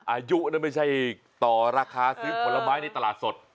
อายุไม่ใช่ต่อราคาซื้อผลไม้ในตลาดสด